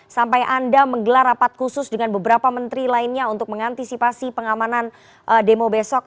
sampai anda menggelar rapat khusus dengan beberapa menteri lainnya untuk mengantisipasi pengamanan demo besok